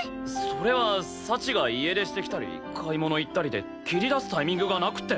それは幸が家出してきたり買い物行ったりで切り出すタイミングがなくて。